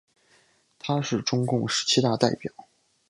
他是中共十七大代表。